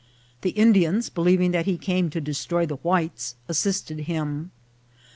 The Indians, believing that he came to destroy the whites, assisted him.